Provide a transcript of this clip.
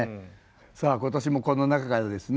さあ今年もこの中からですね